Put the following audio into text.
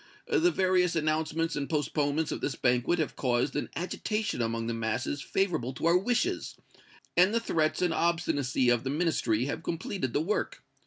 The various announcements and postponements of this banquet have caused an agitation among the masses favorable to our wishes, and the threats and obstinacy of the Ministry have completed the work.